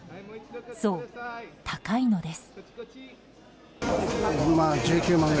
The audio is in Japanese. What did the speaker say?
そう、高いのです。